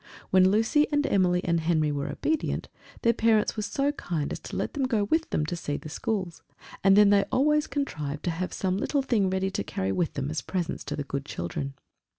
When Lucy and Emily and Henry were obedient, their parents were so kind as to let them go with them to see the schools; and then they always contrived to have some little thing ready to carry with them as presents to the good children.